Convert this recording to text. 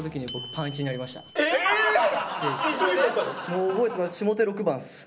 もう覚えてます。